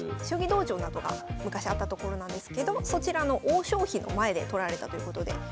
将棋道場だとか昔あったところなんですけどそちらの王将碑の前で撮られたということで。